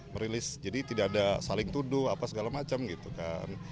merilis jadi tidak ada saling tuduh apa segala macam gitu kan